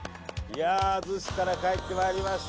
逗子から帰ってまいりました。